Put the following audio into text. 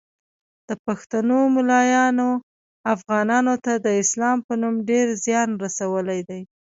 د پښتنو مولایانو افغانانو ته د اسلام په نوم ډیر ځیان رسولی دی